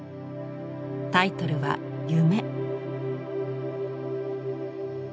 タイトルは「夢」。